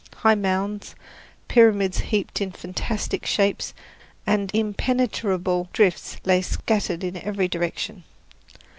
High mounds, pyramids heaped in fantastic shapes, and impenetrable drifts lay scattered in every direction.